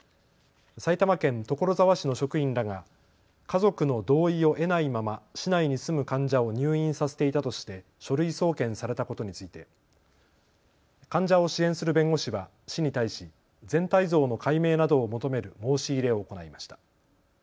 埼玉県所沢市の職員らが家族の同意を得ないまま市内に住む患者を入院させていたとして書類送検されたことについて患者を支援する弁護士は市に対し全体像の解明などを求める申し入れを行いました。